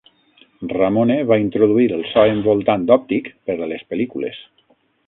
Ramone va introduir el so envoltant òptic per a les pel·lícules.